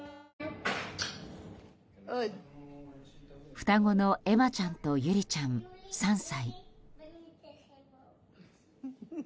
双子のエマちゃんとユリちゃん、３歳。